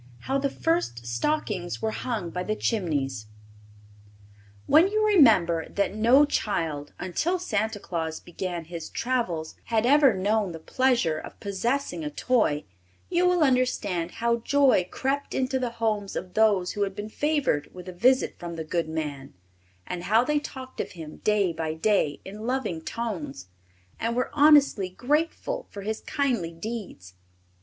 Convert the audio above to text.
11. How the First Stockings Were Hung by the Chimneys When you remember that no child, until Santa Claus began his travels, had ever known the pleasure of possessing a toy, you will understand how joy crept into the homes of those who had been favored with a visit from the good man, and how they talked of him day by day in loving tones and were honestly grateful for his kindly deeds.